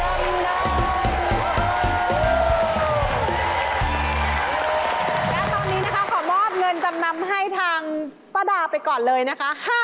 และตอนนี้นะคะขอมอบเงินจำนำให้ทางป้าดาไปก่อนเลยนะคะ